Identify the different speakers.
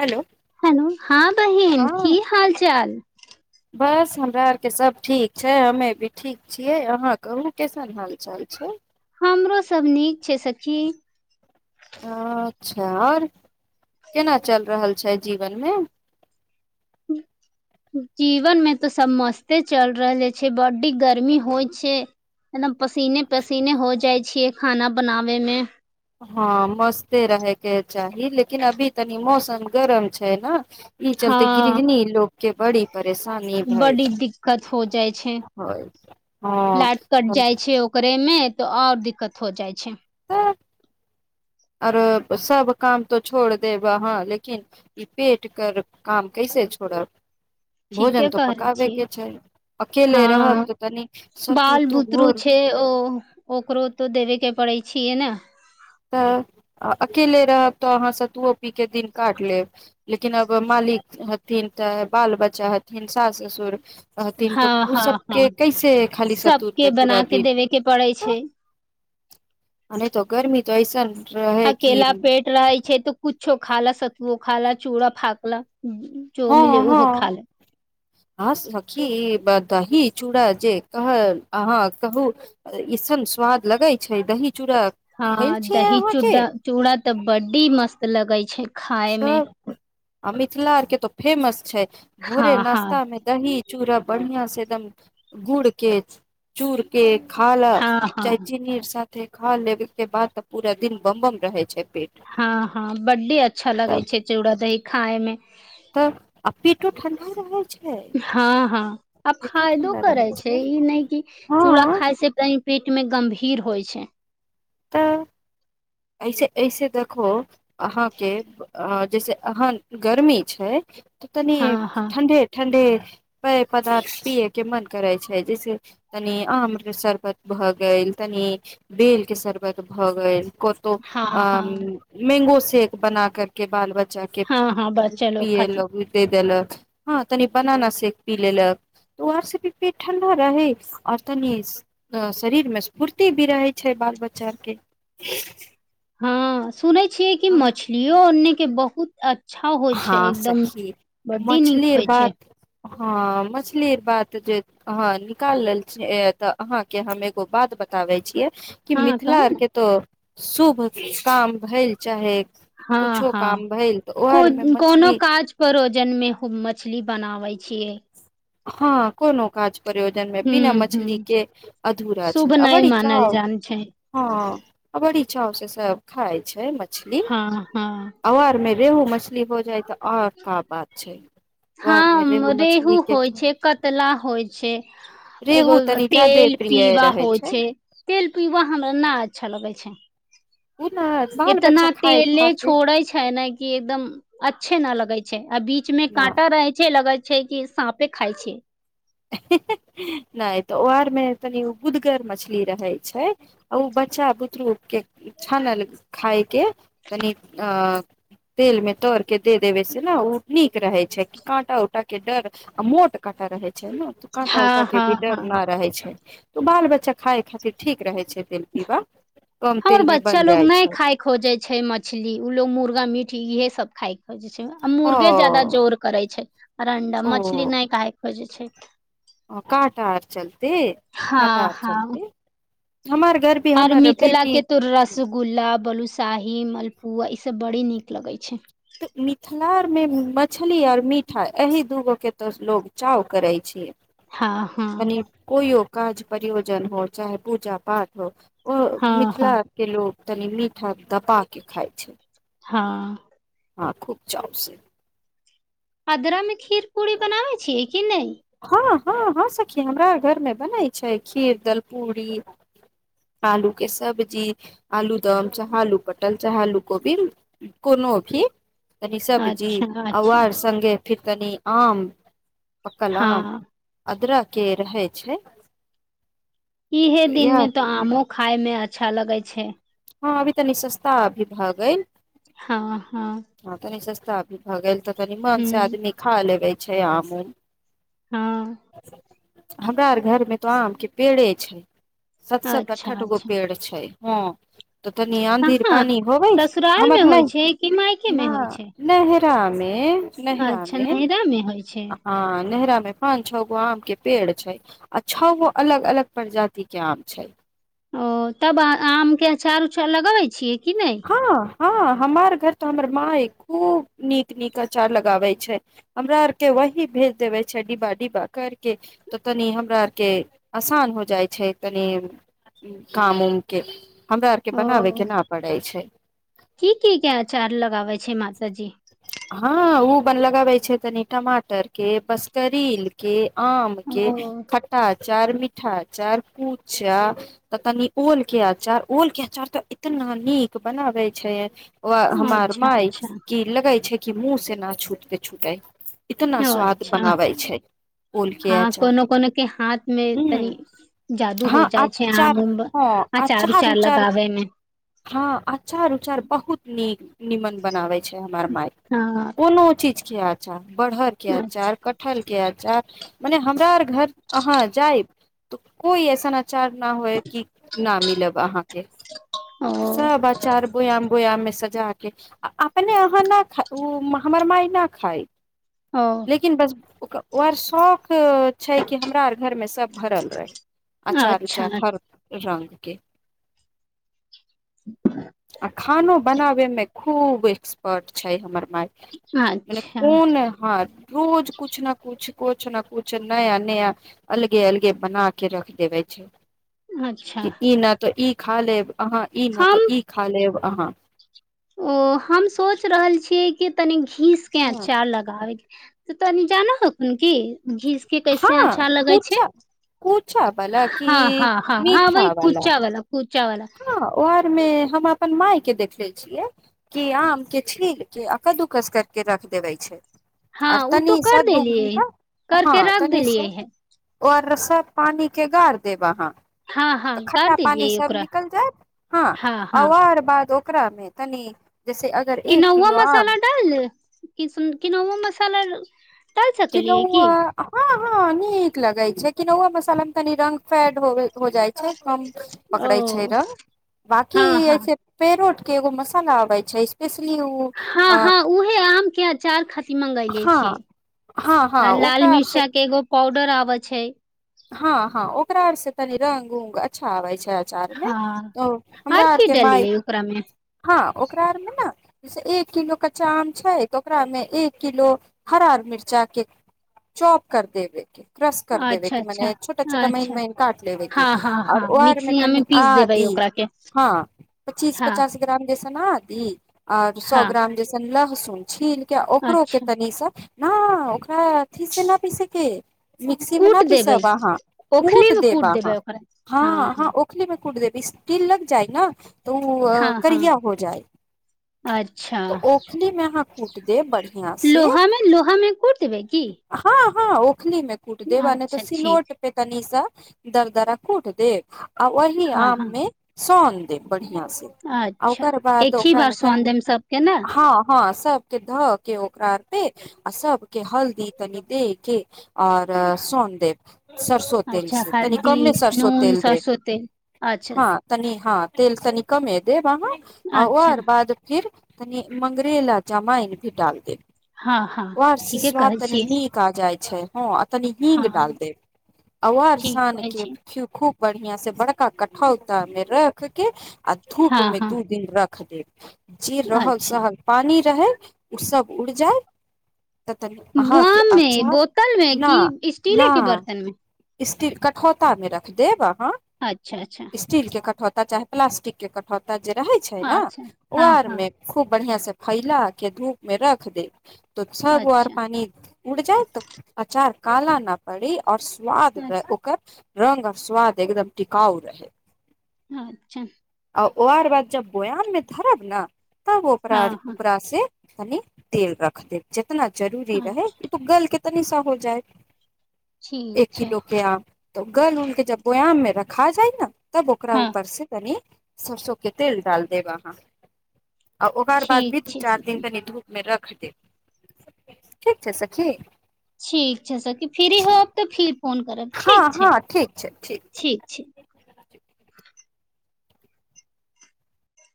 Speaker 1: hello
Speaker 2: hello हँ बहिन
Speaker 1: हँ
Speaker 2: की हाल चाल
Speaker 1: बस हमरा आरके सब ठीक छै हमे भी ठीक छियै अहाँ कहू कैसन हालचाल छै
Speaker 2: हमरो सब नीक छै सखी
Speaker 1: अच्छा आओर केना चलि रहल छै जीवनमे
Speaker 2: जीवन मे तऽ सब मस्ते चलि रहले छै बड्डी गर्मी होइ छै पसीने पसीने हो जाइ छियै खाना बनाबे मे
Speaker 1: हँ मस्ते रहयके चाही लेकिन अभी तनि मौसम गरम छै ने ई चलते
Speaker 2: हँ
Speaker 1: गृहणी लोको के पड़ी
Speaker 2: बड़ी दिक्कत हो जाइ छै
Speaker 1: होय हँ
Speaker 2: लाट कट
Speaker 1: तब
Speaker 2: जाइ छै ओकरे मे तऽ और दिक्कत हो जाइ छै
Speaker 1: त आरो सब काम तऽ छोड़ देब हहाँ लेकिन ई पेट कर काम कैसे छोड़ब भोजन
Speaker 2: ठीके
Speaker 1: तऽ
Speaker 2: कहै
Speaker 1: पकाबेके
Speaker 2: छियै
Speaker 1: छै अकेले
Speaker 2: हँ
Speaker 1: रहब तऽ तनी सतू
Speaker 2: बाल
Speaker 1: तू
Speaker 2: बुतरू
Speaker 1: घोर
Speaker 2: छै ओ ओकरो तऽ देबेके पड़ै छियै ने
Speaker 1: तऽ अकेले रहब तऽ अहाँ सत्तूओ पी कऽ दिन काटि लेब लेकिन आब मालिक हथिन तऽ बाल बच्चा हथिन सास ससुर रहथिन
Speaker 2: हँ
Speaker 1: तऽ ओ
Speaker 2: हँ हँ
Speaker 1: सबके कैसे खाली सतुर
Speaker 2: सबके
Speaker 1: पे
Speaker 2: बना
Speaker 1: पूरा
Speaker 2: के
Speaker 1: दिन
Speaker 2: देबे के पड़ै छै
Speaker 1: नहि तऽ गर्मी तइसन
Speaker 2: अकेला पेट रहै छै त कुछ छो खाा सतवो खाा चूड़ा फााकला
Speaker 1: हँ हँ हँ सखी दही चूड़ा जे कह अहाँ कहू एसन स्वाद लगे छै दही चूड़ा खैल
Speaker 2: हँ
Speaker 1: छियै
Speaker 2: दही
Speaker 1: अहाँके
Speaker 2: चूडा चूड़ा तऽ बडी मस्त लगई छै खाय
Speaker 1: स
Speaker 2: मे
Speaker 1: अीथिल आरके त फेमस छै
Speaker 2: हँ
Speaker 1: भोरे
Speaker 2: हँ
Speaker 1: नाश्ता मे दही चूड़ा बढ़िया से एकदम गुड़ के चूर के ख ल
Speaker 2: हँ हँ
Speaker 1: चैचीनीर सा देख खा ले के बाद ते पूरा दिन बमबम रहे छै पेट
Speaker 2: हँ हँ बड्डी अ अच्छा लगै
Speaker 1: तब
Speaker 2: छै चूड़ा दही खाायमे
Speaker 1: तऽ आ पेटो ठण्डा रहै छै
Speaker 2: हँ हँ आब
Speaker 1: पेटो
Speaker 2: फायदो
Speaker 1: ठंडा
Speaker 2: करै
Speaker 1: रहे
Speaker 2: छै ई नहि कि चूड़ा
Speaker 1: हँ
Speaker 2: खााय से त पेटमे गम्भीर होइ छै
Speaker 1: तऽ ऐसे ऐसे देखो हाँ जैसे अहाँ गर्मी छै त
Speaker 2: हँ
Speaker 1: तनी
Speaker 2: हँ
Speaker 1: ठण् ठणड पेय पदार्थ पियए के मन करै छै जैसे तनि आम के शर्बत भऽ गेल तनि बेल के शर्बत त भऽ गेल कोतो
Speaker 2: हँ
Speaker 1: आ
Speaker 2: हँ
Speaker 1: मैंगोस सेेक बना कर के बाल बच्चा बच्चा के
Speaker 2: हँ हँ बच्चा लोग खातिर
Speaker 1: पियलक उ दे देलक हँ तनी बनाना सेक पी लेलक तऽ ओ आरसँ भी पेट ठंडा रहै आओर तनी शरीर मे स्फूर्ति भी रहै छै बाल बच्चा ार की
Speaker 2: हँ सुनै छियै कि मछलियो अने के बहुत अच्छा होइ छै
Speaker 1: हँ
Speaker 2: एकदम
Speaker 1: सखी
Speaker 2: बड्डी नीक होइ छै
Speaker 1: ह मछली बात जे अहाँ निकाल रहल छी ते अहाँ के हम एगो बात बतावे छीये कि
Speaker 2: हँ
Speaker 1: मिथिला
Speaker 2: कही
Speaker 1: आर
Speaker 2: ने
Speaker 1: के तऽ शुभ काम भेलैल चाहे
Speaker 2: हँ
Speaker 1: कुछो
Speaker 2: हँ
Speaker 1: काम भेलैल तऽ ओ
Speaker 2: को
Speaker 1: आर
Speaker 2: कोनो काज परोजनमे हो मछली बनाबै छियै
Speaker 1: हँ कोनो काज प्रयोजन मे बिना
Speaker 2: हूँ हूँ
Speaker 1: मछली के अधूरा छै
Speaker 2: शुभ
Speaker 1: आ
Speaker 2: नहि
Speaker 1: बड़ी
Speaker 2: मानल
Speaker 1: चाव
Speaker 2: जान छै
Speaker 1: हँ आ बड़ी चाव से सब खाय छै मछ
Speaker 2: हँ हँ
Speaker 1: रेहू मछली हो जाइ तऽ अच्छा बात छै आर मे
Speaker 2: हँ
Speaker 1: रेहू
Speaker 2: रेहु
Speaker 1: मछली के
Speaker 2: होइ छै कतला होइ छै एगो
Speaker 1: रेहू तनी जादे
Speaker 2: तेल
Speaker 1: प्रिय
Speaker 2: पीबा
Speaker 1: रहे
Speaker 2: होइ छै तेल पिबा हमरा नहि अच्छा लगै छै
Speaker 1: ओ ने बाल
Speaker 2: इतना
Speaker 1: बच्चा खाय
Speaker 2: तेले
Speaker 1: खातिर
Speaker 2: छोड़े छै ने कि एकदम अ अच्छे ना लगै छै आ बीच में
Speaker 1: न
Speaker 2: काँटा रहे छै लगल छै कि साँपे खाय छै
Speaker 1: नहि तऽ ओरमे तनि गुदगर मछली रहैत छै आ ओ बच्चा बुतरू के छान अल खाइ के कनि अ तेल में तर के दे देबे से ने उ नीक रहे छै कि काँटा उऊटा के डर आ मोट काँटा रहै छै छै ने तऽ काँटा उट
Speaker 2: हँ
Speaker 1: के
Speaker 2: हँ
Speaker 1: भी डर
Speaker 2: हँ
Speaker 1: नहि रहै छै तो बाल बच्चा खाय खातिर ठीक रहै छै तेल पीबा कम
Speaker 2: हमर
Speaker 1: तेल मे
Speaker 2: बच्चा
Speaker 1: बन
Speaker 2: लोग
Speaker 1: जाइ
Speaker 2: नहि
Speaker 1: छै
Speaker 2: खाय खोजे छै मछली ओ लोग मुर्गा मीट इहे सब खायके हो जे छै आ
Speaker 1: ओ
Speaker 2: मुर्गे ज्यदा जोर करे छै अंडा मछली नहि काे बोजय छथि
Speaker 1: ओ काटा आर चल त
Speaker 2: हँ
Speaker 1: काटा आर
Speaker 2: हँ
Speaker 1: चलति
Speaker 2: आर मिथिला के तो रसगुल्ला बोल शाही मलपुआ ई सब बड़ी नीक लगै छै
Speaker 1: तऽ मिथिलामे मछली आओर मिठाइ एही दूगोके तऽ लोक चाव करैत छिए
Speaker 2: हँ हँ
Speaker 1: कनी कोइ काज परियोजन हो चाहे पूजा पाठ हो
Speaker 2: हँ हँ
Speaker 1: मिथिला के लोग तनी मीठा दपा के खाइ छै
Speaker 2: हँ
Speaker 1: हँ खूब चाव से
Speaker 2: आदरामे खीर पूरी बनाबैत छियै कि नहि
Speaker 1: हँ हँ हँ सखी हमरा घर मे बनै छै खीर दल पूड़री आलू के सब्जी आलू दम चाहे आलू पटल चाहे आलू कोबी कोनो भी कनि सब जी
Speaker 2: अच्छा अच्छा
Speaker 1: आर सङ्गे फिर कनी आम कल
Speaker 2: हँ
Speaker 1: अदरक के रहै छै
Speaker 2: इहे
Speaker 1: इह
Speaker 2: दिनमें तऽ आमो खाय में अच्छा लगय छै
Speaker 1: हँ अभी तऽ नि सस्ता अभी भऽ गेल
Speaker 2: हँ हँ
Speaker 1: हँ तऽ नि सस्ता भी भऽ गेल तऽ तनी मन से
Speaker 2: हूँ
Speaker 1: आदमी खा लेबै छै यह ब
Speaker 2: हँ
Speaker 1: [unintelligible] हमरा आर घरमे तऽ आमके पेड़े छै सात सात
Speaker 2: अच्छा
Speaker 1: अठहठ गो
Speaker 2: अच्छा
Speaker 1: पेड़ छै हँ तऽ तनि आँधीर
Speaker 2: कहाँ
Speaker 1: पानि होबै
Speaker 2: ससुराल मे
Speaker 1: हमर
Speaker 2: होइ छै कि मायके
Speaker 1: नहि
Speaker 2: मे
Speaker 1: न
Speaker 2: होइ छै
Speaker 1: नइ हे तामे
Speaker 2: अच्छा
Speaker 1: नेहरामे
Speaker 2: नैहरा मे होइ छै
Speaker 1: हँ नेहरामे पान छ गो आम के पेड़ छै आ छ गो अलग अलग प्रजाति के आम छै
Speaker 2: ओ तब आम के अचार उछर लगबै छियै कि नहि
Speaker 1: हँ हँ हमार घर तऽ हमर माय खूब नीक नीक अचार लगाबे छै हमरा आर के वही भेज देबे छै डिब्बा डिब्बा कर के तऽ तनी हमरा आर के आसान हो जाइ छै तनी काम उम के हमरा आर के
Speaker 2: ओ
Speaker 1: बनाबे के न छै
Speaker 2: की की क अचार लगाबै छै हे माता जी
Speaker 1: हँ ओ बन लगाबै छै तनी टमाटर के बसकरील के आम
Speaker 2: ओ
Speaker 1: के खटा चार मिठा अचार पूचा तऽ तनि ओल के अचार ओल के अचार तऽ इतना नीक बनाबे छै ओ हमार
Speaker 2: अच्छा
Speaker 1: मााय
Speaker 2: अच्छा
Speaker 1: की लगै छै कि मुँह से न छूटते छुटइ इतना स्वाद
Speaker 2: अच्छा
Speaker 1: बनाबै छै ओल के
Speaker 2: हँ
Speaker 1: अचार
Speaker 2: कोनो कोनो के हाथ मे
Speaker 1: हु
Speaker 2: तनी जादू
Speaker 1: हँ
Speaker 2: हो जाइ छै आम
Speaker 1: अचार
Speaker 2: उम
Speaker 1: हँ अचार उचार हँ अचार उचार बहुत नीक निमन बनावै छै हमार माय
Speaker 2: हँ
Speaker 1: कोनो चीज के अचार बढ़हर के आचार कटहल के आचार मने हमरा आर घर अहाँ जायब तऽ कोइ ऐसन अचार न होई की न मिलब अहाँ
Speaker 2: ओ
Speaker 1: सब आचार बोयाम बोयाम मे सजा के आ अप ने अहाँ नऽ खा ओ हमर मााय न खाय
Speaker 2: ओ
Speaker 1: लेकिन बस ओअर शौक छै कि हमरा आर घरमे सब भरल रहै अचार
Speaker 2: अच्छा
Speaker 1: उचार हर रंग के आ खानो बनाबेमे खूब एक्सपर्ट छै हमर माय माने
Speaker 2: अच्छा
Speaker 1: कोन हँ रोज कुछ न कुछ कछ न कुछ नया नया अलगे अलगे बना के रख लेबै छै
Speaker 2: अच्छा
Speaker 1: की ई ना तो ई खा लेब अहाँ ई न तऽ
Speaker 2: हम
Speaker 1: ई खालेब अहाँ
Speaker 2: ओ हम सोच रहल छियै कि तनि हीस के
Speaker 1: हँ
Speaker 2: अचार लगाबे तऽ तनि जनो हकीन कि घीस के कैसे
Speaker 1: हँ
Speaker 2: अच्छा लगे छै
Speaker 1: कूचा कूचा वाला
Speaker 2: हँ
Speaker 1: कि
Speaker 2: हँ हँ हँ वहि
Speaker 1: मीठा वाला
Speaker 2: कुच्चा वाल कु
Speaker 1: हँ वरमे हम अपन माय के देखले छियै कि आम के छील के आ कदू कस कर के रख देवे छै
Speaker 2: हँ
Speaker 1: आर
Speaker 2: उ तो
Speaker 1: तनी
Speaker 2: कर
Speaker 1: सा दू
Speaker 2: देलियैै
Speaker 1: घंटा
Speaker 2: करके रख देलियै है
Speaker 1: आऔर रस्स पानी के गाार देब अहाँ
Speaker 2: हँ हँ
Speaker 1: तऽ
Speaker 2: कर
Speaker 1: खट्टा पानी
Speaker 2: देलियै ओकरा
Speaker 1: [unintelligible] हँ त ओकरा मे तनी
Speaker 2: केनौआ मसाला डाइल दे कि केनौआ मसाला सकलियै की
Speaker 1: किनउआ हँ हँ नीक लगै छै केनौआ मसाला मे तनी रंग फेड होबे हो जाय छै कम
Speaker 2: ओ
Speaker 1: पकड़ै छै रंग बकी
Speaker 2: हँ हँ
Speaker 1: ऐसे पेड़ो एगो मसाला आबै छै स्पेस
Speaker 2: हँ हँ उहे आम के अचार खती मगैले
Speaker 1: हँ
Speaker 2: छियै
Speaker 1: हँ हँ
Speaker 2: आ लाल
Speaker 1: ओकरा आर से
Speaker 2: मिर्चा के एगो पाउ डर आबै छै
Speaker 1: हँ हँ ओकरा आर सँ तनी रंग उंग अच्छा आबै छै अचार मे
Speaker 2: हँ
Speaker 1: त हमरा
Speaker 2: आर की
Speaker 1: आरक माय
Speaker 2: डलियै ओकरा मे
Speaker 1: हँ ओकरा आरमे नै एक किलो कच्चा आम छै तऽ ओकरा मे एक किलो हरार मिर्चा के चॉप कर देबैके क्रश कर देब
Speaker 2: अच्छा अच्छा
Speaker 1: छोटा छोटा महीन
Speaker 2: अच्छा
Speaker 1: महीन काट लेबै के
Speaker 2: हँ हँ
Speaker 1: और
Speaker 2: हँ
Speaker 1: ओअर मे
Speaker 2: मिक्सिया
Speaker 1: तनी
Speaker 2: पीस देबै
Speaker 1: आदि
Speaker 2: ओकरा के
Speaker 1: हाँ पच्चीस
Speaker 2: हँ
Speaker 1: पचास ग्राम सना दी आओर सए
Speaker 2: हँ
Speaker 1: ग्राम जेसन ल सुलझील ओकरो के
Speaker 2: अच्छा
Speaker 1: तनीसा हाँ हाँ ओकरा अथि से न पीसैके मिक्सी मे ना
Speaker 2: कूट देबै
Speaker 1: पिस्ब हाँ
Speaker 2: ओखली
Speaker 1: कूट
Speaker 2: मे
Speaker 1: देबा हाँ
Speaker 2: देबै ओकरा हँ
Speaker 1: हाँ हाँ
Speaker 2: हँ
Speaker 1: ओखली मे कूट देब स्टील लग जाइ न तऽ ओ
Speaker 2: हँ हँ
Speaker 1: करिया हो जाइ
Speaker 2: अच्छा
Speaker 1: तऽ ओखली मे अहाँ कूट दे बढ़िया से
Speaker 2: लोहा मे लोहा मे कूट देबै की
Speaker 1: हँ हँ ओखली मे कुट देब ने
Speaker 2: अच्छा ठीक
Speaker 1: सिलोट पे तनि निशा दरदरा घूट दे वही
Speaker 2: हँ
Speaker 1: आम
Speaker 2: हँ
Speaker 1: मे सोम दिन बढ़िया से
Speaker 2: अच्छा
Speaker 1: ओकर बाद
Speaker 2: एक ही
Speaker 1: ओकरा
Speaker 2: बार सोन
Speaker 1: गरम
Speaker 2: देम सबके ने
Speaker 1: हँ हँ सबके धऽ के ओकरा पे आ सबके हल्दी तनी दे के आओर सोन सरसो तेल
Speaker 2: अच्छा
Speaker 1: त
Speaker 2: हल्दी
Speaker 1: कमे सरसो
Speaker 2: नून
Speaker 1: तेल दे
Speaker 2: सरसो तेल अच्छा
Speaker 1: हँ तनि हँ तेल तनि कमे देब अहाँ आ
Speaker 2: अच्छा
Speaker 1: आर बाद फिर तनि मंगरैला जमाइन भी डाल देब
Speaker 2: हँ हँ
Speaker 1: वर से
Speaker 2: ठीके
Speaker 1: स्वाद
Speaker 2: कहै
Speaker 1: तनी
Speaker 2: छियै
Speaker 1: नीक आ जाय छै हँ आ तनि हींगग डाल
Speaker 2: हँ
Speaker 1: छै आार
Speaker 2: ठीक
Speaker 1: सान
Speaker 2: कहै
Speaker 1: के
Speaker 2: छी
Speaker 1: खूबे बढ़िया से बड़का कठौता मे रख के आ धूप
Speaker 2: हँ
Speaker 1: में
Speaker 2: हँ
Speaker 1: दू दिन रख खति जी रहल
Speaker 2: अच्छा
Speaker 1: सहल पानी रहै उ सव उड़ जाा
Speaker 2: बम मे बोतल मे
Speaker 1: न
Speaker 2: की स्टीले के
Speaker 1: न
Speaker 2: बर्तन मे
Speaker 1: स्टील कठोता में रख देब हँ
Speaker 2: अच्छा अच्छा
Speaker 1: स्टील के कठौत तऽ चाहे प्लास्टिक के कटोउत त जे रहै छै ने
Speaker 2: अच्छा
Speaker 1: ओ
Speaker 2: हँ
Speaker 1: आर
Speaker 2: हँ
Speaker 1: मे खूब बढ़िआं से फैला के धूप मे रख दे तऽ छ गो आर
Speaker 2: अच्छा
Speaker 1: पानी उड़ जाय त अचार काल न पड़ी आऔर स्वाद रह ओकर रङंग आ स्वाद एकदम टिकाउ रह
Speaker 2: हं अच्छा
Speaker 1: ओ आर बाद जब बोयाम मे धरब ने तब ओकररा
Speaker 2: हँ हँ
Speaker 1: उपरा से मनी तेल रख दे कतना जरूरी रहै
Speaker 2: अच्छा
Speaker 1: कि तू गल कना तनी सा हो जाय
Speaker 2: ठीक
Speaker 1: एक
Speaker 2: छै
Speaker 1: किलो के आम गल उलके जब बो आम में रख खाा जाइ ने तब ओकरा
Speaker 2: हँ
Speaker 1: ऊपरस तनी सरसोकं तेल डाल देब अहाँ आ ओकर बाद
Speaker 2: ठीक
Speaker 1: भी दू
Speaker 2: छै
Speaker 1: चार दिन
Speaker 2: सखी
Speaker 1: कनि धूप मे रख ठीक छै सखी
Speaker 2: ठीक छै सरके फ्री होब तऽ फिर फोन करब
Speaker 1: हँ
Speaker 2: ठीक छै
Speaker 1: हँ ठीक छै
Speaker 2: ठीक छै